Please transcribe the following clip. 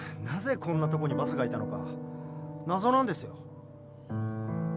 なぜこんなとこにバスがいたのか謎なんですよ。